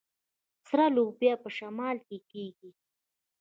سره لوبیا په شمال کې کیږي.